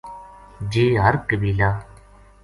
جے ہر قبیلہ